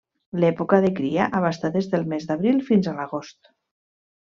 L'època de cria abasta des del mes d'abril fins a l'agost.